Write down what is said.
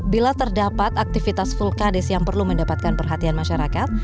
bila terdapat aktivitas vulkandes yang perlu mendapatkan perhatian masyarakat